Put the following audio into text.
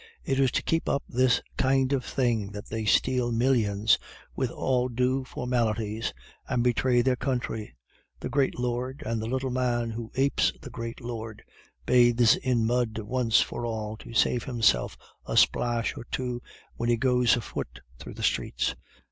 "It is to keep up this kind of thing that they steal millions with all due formalities, and betray their country. The great lord, and the little man who apes the great lord, bathes in mud once for all to save himself a splash or two when he goes afoot through the streets."